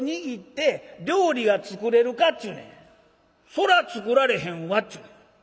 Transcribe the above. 「そりゃ作られへんわっちゅうねん」。